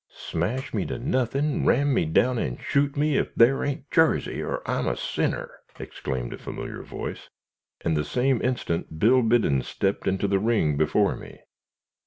"Smash me to nuthin', ram me down and shoot me, if thar ain't Jarsey, or I'm a sinner!" exclaimed a familiar voice, and the same instant Bill Biddon stepped into the ring before me.